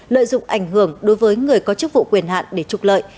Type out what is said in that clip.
lợi dụng ảnh hưởng đối với người có chức vụ quyền hạn để trục lợi